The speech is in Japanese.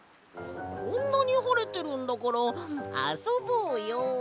こんなにはれてるんだからあそぼうよ！